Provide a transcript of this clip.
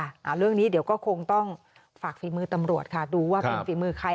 อันนี้เดี๋ยวก็คงต้องฝากฝีมือตำรวจค่ะดูว่าฝีมือใคร